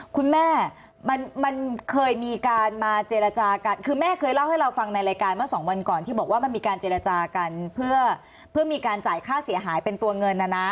คุณแม่มันเคยมีการมาเจรจากันคือแม่เคยเล่าให้เราฟังในรายการเมื่อสองวันก่อนที่บอกว่ามันมีการเจรจากันเพื่อมีการจ่ายค่าเสียหายเป็นตัวเงินนะนะ